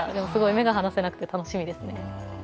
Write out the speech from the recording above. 目が離せなくて楽しみですね。